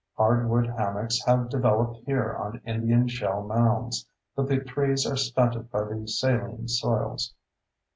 Hardwood hammocks have developed here on Indian shell mounds, but the trees are stunted by the saline soils.